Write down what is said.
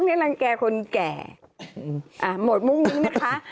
นางเก่ง๗ไม่ทรมาน